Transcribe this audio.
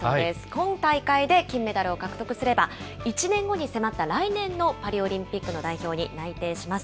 今大会で金メダルを獲得すれば、１年後に迫った来年のパリオリンピックの代表に内定します。